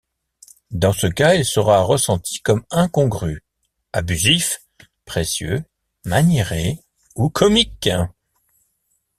Dans ce cas, il sera ressenti comme incongru, abusif, précieux, maniéré ou comique.